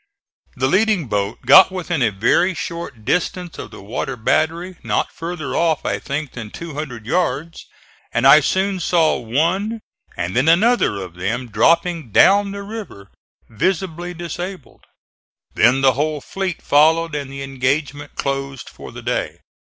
The leading boat got within a very short distance of the water battery, not further off I think than two hundred yards, and I soon saw one and then another of them dropping down the river, visibly disabled. Then the whole fleet followed and the engagement closed for the day.